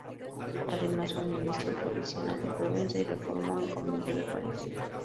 Además fue ministro provincial de Provenza y reformó el convento de París.